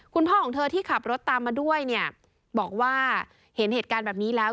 คุณพ่อของเธอที่ขับรถตามมาด้วยเนี่ยบอกว่าเห็นเหตุการณ์แบบนี้แล้ว